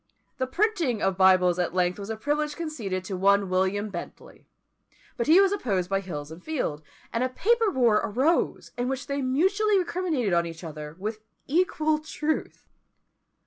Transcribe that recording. The printing of Bibles at length was a privilege conceded to one William Bentley; but he was opposed by Hills and Field; and a paper war arose, in which they mutually recriminated on each other, with equal truth.